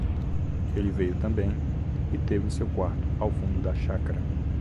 ele veio também, e teve o seu quarto ao fundo da chácara.